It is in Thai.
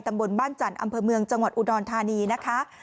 ตำบลบ้านจันทร์อำเภอเมืองจังหวัดอุดรธานีนะคะ